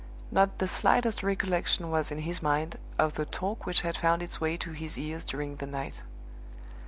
Not the slightest recollection was in his mind of the talk which had found its way to his ears during the night.